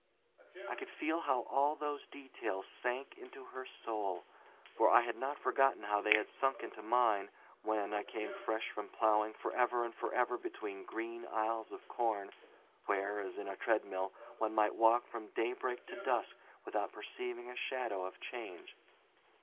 I could feel how all those details sank into her soul, for I had not forgotten how they had sunk into mine when I came fresh from plowing forever and forever between green aisles of corn, where, as in a treadmill, one might walk from daybreak to dusk without perceiving a shadow of change.